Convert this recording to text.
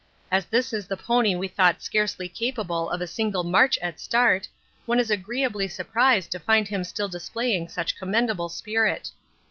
As this is the pony we thought scarcely capable of a single march at start, one is agreeably surprised to find him still displaying such commendable spirit.